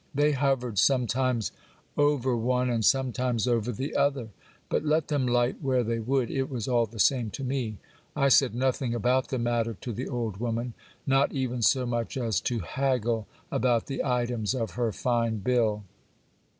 They hovered sometimes over one and sometimes over the other ; but let them light where they would, it was all the same to me. I said nothing about the matter to the old woman ; not even so much as to haggle about the items of her fine bill.